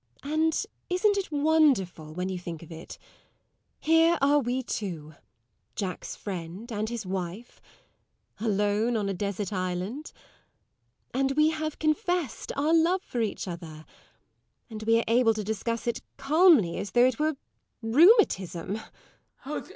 And isn't it wonderful, when you think of it here are we two, Jack's friend and his wife, alone on a desert island and we have confessed our love for each other, and we are able to discuss it as calmly as though it were rheumatism!